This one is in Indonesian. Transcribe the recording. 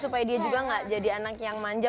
supaya dia juga gak jadi anak yang manja